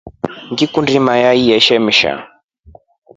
Ngikundi mayai yeshemsha.